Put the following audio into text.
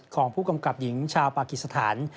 ของผู้กำกับหญิงชาวปากิสถาน